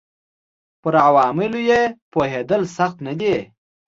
پر عواملو یې پوهېدل سخت نه دي